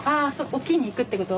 沖に行くってこと？